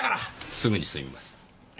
すぐに済みます。